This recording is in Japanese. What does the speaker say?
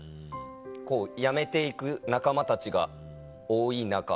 こう辞めて行く仲間たちが多い中